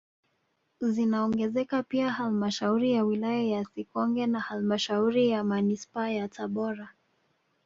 Zinaongezeka pia halmashauri ya wilaya ya Sikonge na halmashauri ya manispaa ya Tabora